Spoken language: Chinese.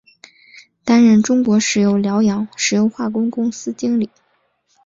担任中国石油辽阳石油化工公司经理。